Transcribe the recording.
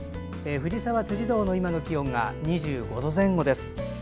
藤沢・辻堂の今の気温が２５度前後です。